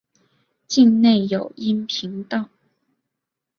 境内有阴平道。